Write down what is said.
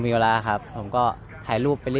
เวลาที่สุดตอนที่สุด